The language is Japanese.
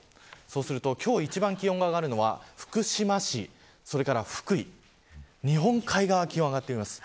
そうすると今日一番気温が上がるのは福島市、それから福井日本海側で気温が上がってます。